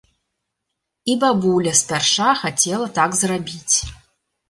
І бабуля спярша хацела так зрабіць.